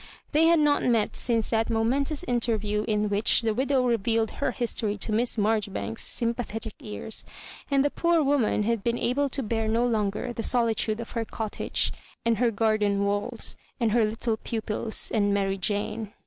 They had not met since that momentous interview in which the widow revealed her history to Miss Marjoribanks's sympathetic ears, and the poor woman had been able to bear no longer the solitude of her cottage, and her garden walls, and her little pupils, and Maiy Jane.